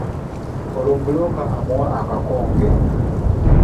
Olwo bbulooka amuwa akakonge.